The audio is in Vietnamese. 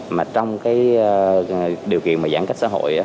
mà trong cái điều kiện mà giãn cách xã hội